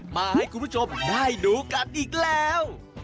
มาให้คุณผู้ชมได้ดูกันอีกแล้ว